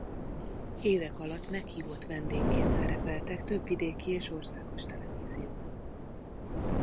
Évek alatt meghívott vendégként szerepeltek több vidéki és országos televízióban.